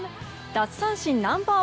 奪三振ナンバー